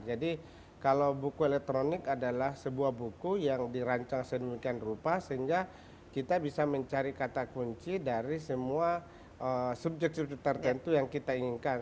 kalau buku elektronik adalah sebuah buku yang dirancang sedemikian rupa sehingga kita bisa mencari kata kunci dari semua subjek subjek tertentu yang kita inginkan